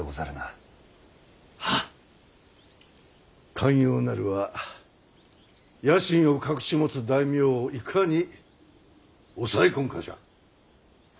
肝要なるは野心を隠し持つ大名をいかに抑え込むかじゃ。